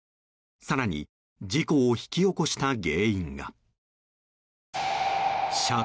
更に事故を引き起こした原因が。